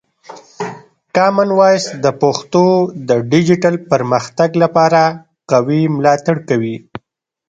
کامن وایس د پښتو د ډیجیټل پرمختګ لپاره قوي ملاتړ کوي.